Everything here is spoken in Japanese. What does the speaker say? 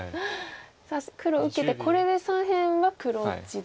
さあ黒受けてこれで左辺は黒地ですね？